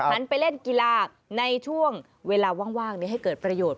หันไปเล่นกีฬาในช่วงเวลาว่างให้เกิดประโยชน์